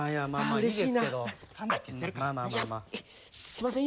すいません